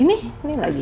ini ini lagi